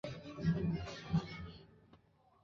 新几内亚岛一般不纳入马来群岛之范畴。